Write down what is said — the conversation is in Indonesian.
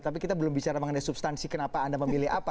tapi kita belum bicara mengenai substansi kenapa anda memilih apa